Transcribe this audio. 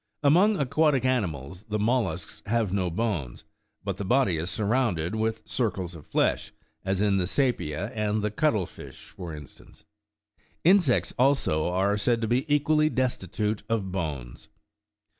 Among aquatic animals, the mollusks have no bones, but the body is surrounded with circles of flesh, as in the seepia and the cuttle fish, for instance ; insects, also, are said to be equally destitute of bones.